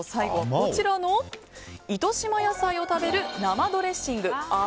こちらの糸島野菜を食べる生ドレッシングあ